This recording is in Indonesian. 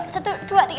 satu dua tiga